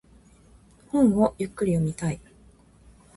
本をゆっくり読みたい。